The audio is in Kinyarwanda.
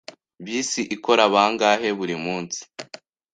Bisi ikora bangahe buri munsi?